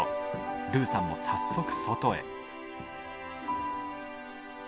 ルーさんも早速外へ。